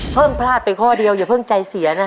พลาดไปข้อเดียวอย่าเพิ่งใจเสียนะ